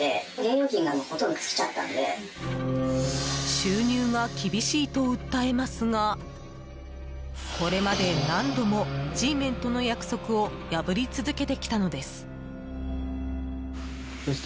収入が厳しいと訴えますがこれまで何度もＧメンとの約束を破り続けてきたのです。